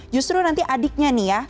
justru nanti adiknya nih ya